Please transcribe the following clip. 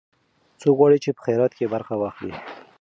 څوک غواړي چې په خیرات کې برخه واخلي؟